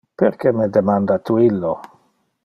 Perque me demanda tu illo?